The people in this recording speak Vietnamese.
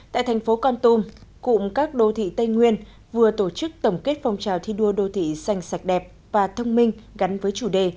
tại thành phố con tum cụm các đô thị tây nguyên vừa tổ chức tổng kết phong trào thi đua đô thị xanh sạch đẹp và thông minh gắn với chủ đề